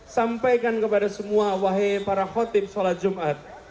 sampaikan kepada semua wahai para khotib sholat jumat